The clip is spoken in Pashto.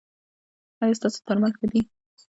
ایا ستاسو درمل ښه دي؟